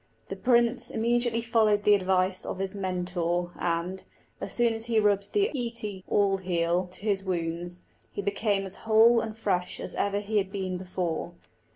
The prince immediately followed the advice of his monitor, and, as soon as he rubbed the íce (all heal) to his wounds, he became as whole and fresh as ever he had been before.